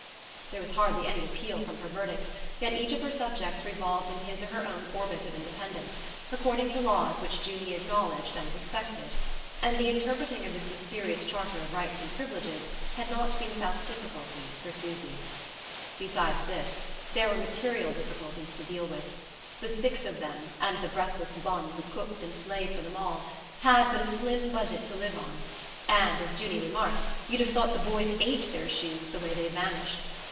There was hardly any appeal from her verdict; yet each of her subjects revolved in his or her own orbit of independence, according to laws which Junie acknowledged and respected; and the interpreting of this mysterious charter of rights and privileges had not been without difficulty for Susy. Besides this, there were material difficulties to deal with. The six of them, and the breathless bonne who cooked and slaved for them all, had but a slim budget to live on; and, as Junie remarked, you'd have thought the boys ate their shoes, the way they vanished.